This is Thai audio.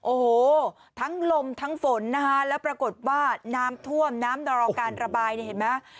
โอ้โหทั้งลมทั้งฝนนะคะแล้วปรากฏว่าน้ำท่วมน้ำรอการระบายเนี่ยเห็นไหม